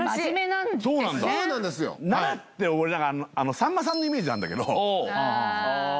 奈良って俺さんまさんのイメージなんだけど。